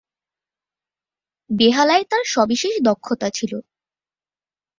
বেহালায় তার সবিশেষ দক্ষতা ছিল।